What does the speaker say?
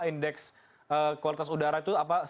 indeks kualitas udara itu apa